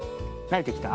なれてきた。